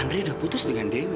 andre sudah putus dengan dewi